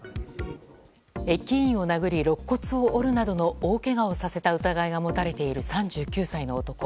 駅員を殴りろっ骨を折るなどの大けがをさせた疑いが持たれている３９歳の男。